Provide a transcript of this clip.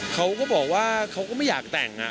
เขาก็บอกว่าเขาก็ไม่อยากแต่ง